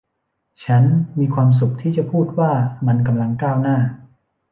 ฉันมีความสุขที่จะพูดว่ามันกำลังก้าวหน้า